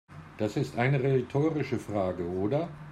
Das ist eine rhetorische Frage, oder?